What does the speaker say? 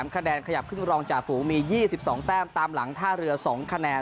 คะแนนขยับขึ้นรองจ่าฝูงมี๒๒แต้มตามหลังท่าเรือ๒คะแนน